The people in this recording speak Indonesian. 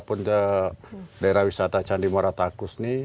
punca daerah wisata candi maratakus ini